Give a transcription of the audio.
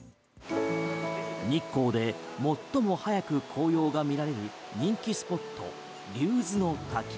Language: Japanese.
日光で最も早く紅葉が見られる人気スポット竜頭の滝。